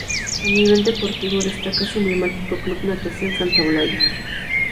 A nivel deportivo, destaca su emblemático Club Natación Santa Olaya.